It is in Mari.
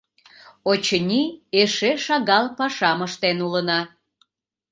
Очыни, эше шагал пашам ыштен улына...